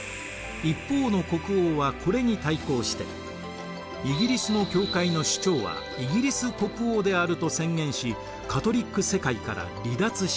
一方の国王はこれに対抗してイギリスの教会の首長はイギリス国王であると宣言しカトリック世界から離脱します。